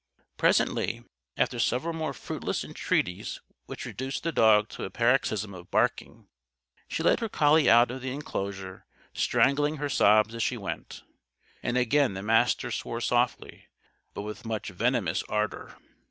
Presently (after several more fruitless entreaties which reduced the dog to a paroxysm of barking) she led her collie out of the enclosure, strangling her sobs as she went. And again the Master swore softly, but with much venomous ardor.